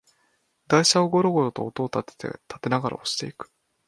台車をゴロゴロと音をたてながら押していく